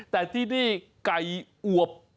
แต่ที่นี่ไก่อวบ